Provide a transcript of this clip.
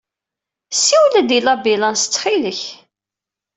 Siwel-d i labilans ttxil-k.